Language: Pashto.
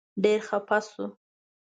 ډېر خپه شو.